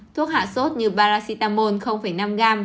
thuốc hạ sốt như paracetamol năm g